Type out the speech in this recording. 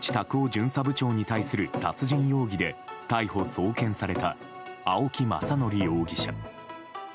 巡査部長に対する殺人容疑で逮捕・送検された青木政憲容疑者。